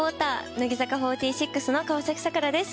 乃木坂４６の川崎桜です。